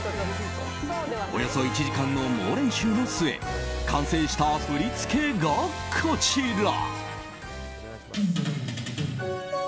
およそ１時間の猛練習の末完成した振り付けがこちら！